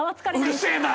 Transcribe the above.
うるせえな。